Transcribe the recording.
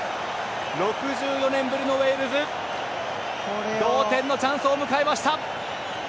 ６４年ぶりのウェールズ同点のチャンスを迎えました。